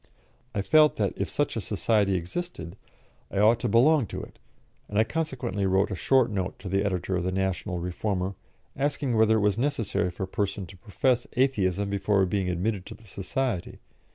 I felt that if such a society existed, I ought to belong to it, and I consequently wrote a short note to the editor of the National Reformer, asking whether it was necessary for a person to profess Atheism before being admitted to the Society.